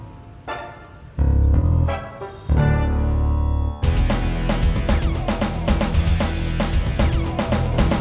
aku mau ke rumah